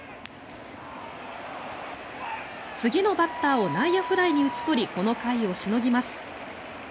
次のバッターを内野フライに打ち取りこの回をしのぎます。